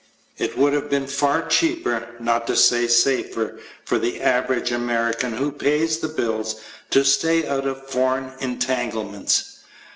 It would have been far cheaper (not to say safer) for the average American who pays the bills to stay out of foreign entanglements.